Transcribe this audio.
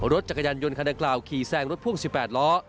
รถจักรยานยนต์คันดังกล่าวขี่แซงรถพ่วง๑๘ล้อ